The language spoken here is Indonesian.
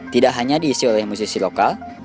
tidak hanya diisi oleh musisi lokal